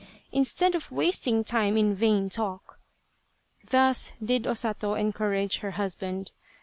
instead of wasting time in vain talk." Thus did O Sato encourage her husband.